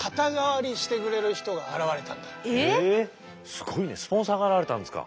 すごいねスポンサーが現れたんですか。